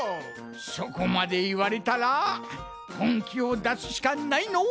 そこまでいわれたらほんきをだすしかないのう！